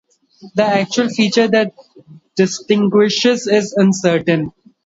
The actual feature that distinguishes and is uncertain.